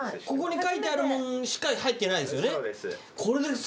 ここに書いてあるものしか入ってないですよね？